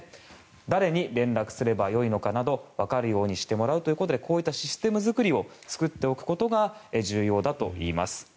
誰に連絡すればいいのかなど分かるようにしてもらうということでこういったシステム作りを作っておくことが重要だといいます。